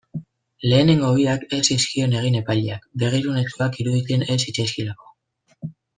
Lehenengo biak ez zizkion egin epaileak, begirunezkoak iruditzen ez zitzaizkiolako.